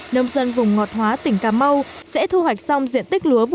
nông dân vùng ngọt hóa tỉnh cà mau sẽ thu hoạch xong diện tích lúa vụ